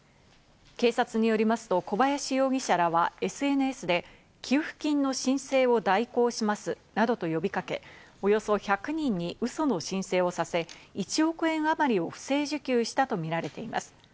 警察によりますと小林容疑者らはＳＮＳで、給付金の申請を代行しますなどと呼びかけ、およそ１００人にウソの申請をさせ、１億円あまりを不正受給したとみられています。